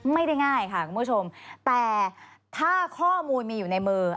ไม่ได้ง่ายค่ะคุณผู้ชมแต่ถ้าข้อมูลมีอยู่ในมือ